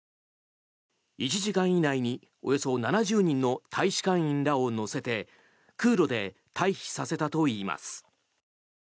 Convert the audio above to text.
１時間以内に、およそ７０人の大使館員らを乗せて空路で退避させたといいます。